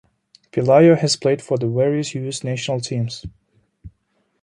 Pelayo has played for the various youth national teams.